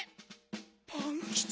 パンキチ。